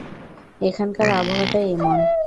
এখানকার আবহাওয়াটাই এমন।